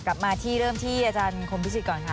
กลับมาที่เริ่มที่อาจารย์คมพิสิทธิก่อนค่ะ